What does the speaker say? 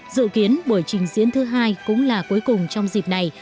dự kiến buổi trình diễn thứ hai cũng là cuối cùng trong dịp này